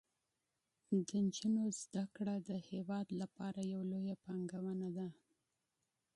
د نجونو تعلیم د هیواد لپاره یوه لویه پانګونه ده.